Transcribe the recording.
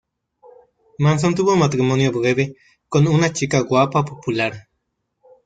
Manson tuvo un matrimonio breve con una chica guapa popular.